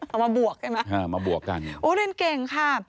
เอามาบวกใช่ไหมมาบวกกันอู๋เล่นเก่งค่ะ